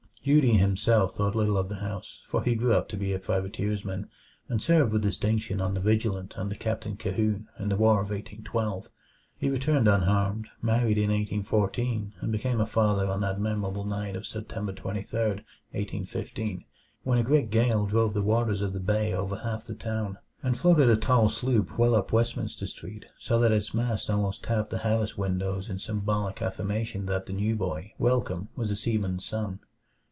Dutee himself thought little of the house, for he grew up to be a privateersman, and served with distinction on the Vigilant under Captain Cahoone in the War of 1812. He returned unharmed, married in 1814, and became a father on that memorable night of September 23, 1815, when a great gale drove the waters of the bay over half the town, and floated a tall sloop well up Westminster Street so that its masts almost tapped the Harris windows in symbolic affirmation that the new boy, Welcome, was a seaman's son.